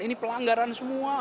ini pelanggaran semua